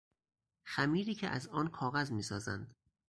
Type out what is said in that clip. خمیری که از آن کاغذ میسازند